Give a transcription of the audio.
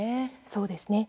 そうですね。